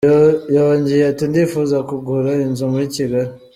Yongeye ati "Ndifuza kugura inzu muri Kigali.